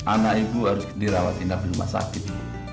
anak ibu harus dirawat tidak bernama sakit